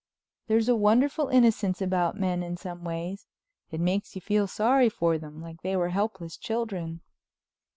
There's a wonderful innocence about men in some ways. It makes you feel sorry for them, like they were helpless children.